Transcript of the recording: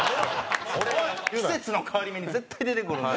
季節の変わり目に絶対出てくるんで。